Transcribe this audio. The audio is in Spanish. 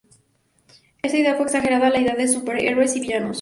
Esa idea fue exagerada a la idea de Super Heroes y Villanos.